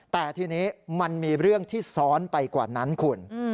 แต่ทีนี้มันมีเรื่องที่ซ้อนไปกว่านั้นคุณ